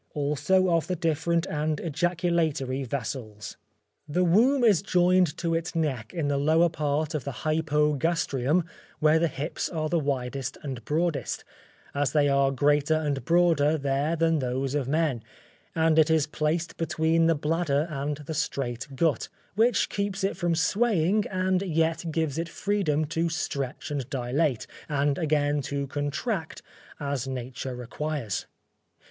Also of the Different and Ejaculatory Vessels._ The womb is joined to its neck in the lower part of the Hypogastrium where the hips are the widest and broadest, as they are greater and broader there than those of men, and it is placed between the bladder and the straight gut, which keeps it from swaying, and yet gives it freedom to stretch and dilate, and again to contract, as nature requires.